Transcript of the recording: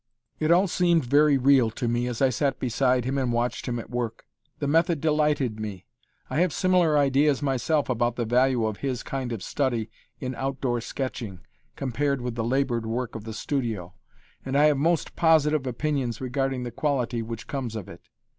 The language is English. It all seemed very real to me, as I sat beside him and watched him at work. The method delighted me. I have similar ideas myself about the value of his kind of study in out door sketching, compared with the labored work of the studio, and I have most positive opinions regarding the quality which comes of it.